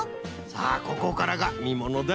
さあここからがみものだ。